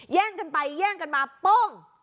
แย่งกันไปแย่งกันมาโป้ง